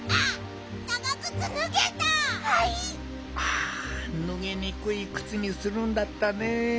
あぬげにくいくつにするんだったね。